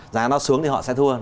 giá nó xuống thì họ sẽ thua